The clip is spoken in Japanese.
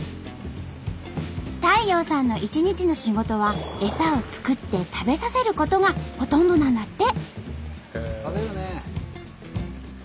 太陽さんの一日の仕事はエサを作って食べさせることがほとんどなんだって。